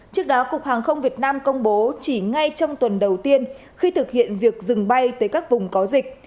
trước đó cục hàng không việt nam công bố chỉ ngay trong tuần đầu tiên khi thực hiện việc dừng bay tới các vùng có dịch